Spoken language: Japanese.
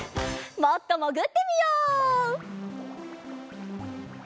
もっともぐってみよう。